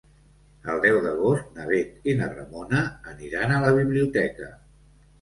El deu d'agost na Bet i na Ramona aniran a la biblioteca.